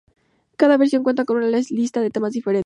Cada versión cuenta con una lista de temas diferentes.